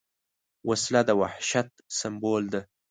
وسله د وحشت سمبول ده